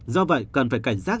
do vậy cần phải cảnh giác